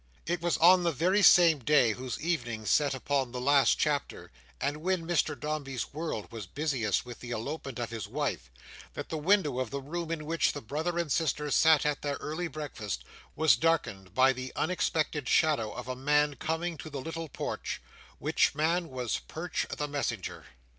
It was on the very same day whose evening set upon the last chapter, and when Mr Dombey's world was busiest with the elopement of his wife, that the window of the room in which the brother and sister sat at their early breakfast, was darkened by the unexpected shadow of a man coming to the little porch: which man was Perch the Messenger.